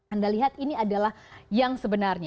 anda lihat ini adalah yang sebenarnya